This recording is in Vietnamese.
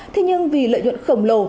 thế nhưng vì lợi nhuận khổng lồ